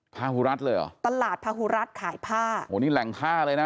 พาหูรัฐเลยเหรอตลาดพาหูรัฐขายผ้าโอ้นี่แหล่งผ้าเลยนะ